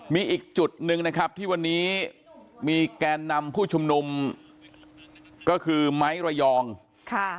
มีอีกจุดหนึ่งนะครับที่วันนี้มีแกนนำผู้ชุมนุมก็คือไม้ระยองค่ะ